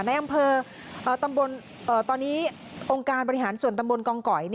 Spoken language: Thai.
ในอำเภอตอนนี้องค์การบริหารส่วนตำบลกองก๋อย